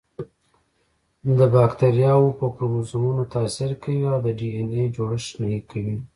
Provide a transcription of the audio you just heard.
د باکتریاوو په کروموزومونو تاثیر کوي او د ډي این اې جوړښت نهي کوي.